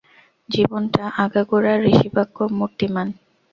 জীবনটা আগাগোড়া ঋষিবাক্য মূর্তিমান।